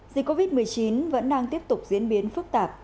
dịch covid một mươi chín vẫn đang tiếp tục diễn biến phức tạp